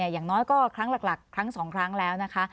อย่างน้อยก็ครั้งหลักครั้ง๒ครั้งแล้วนะคะ